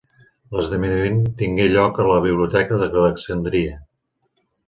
L'esdeveniment tingué lloc a la Biblioteca d'Alexandria.